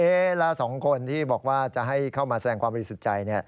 แล้วสองคนที่บอกว่าจะให้เข้ามาแสดงความบริสุทธิ์ใจ